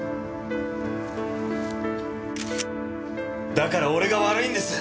だから俺が悪いんです！